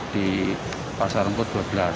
di pasar rumput dua belas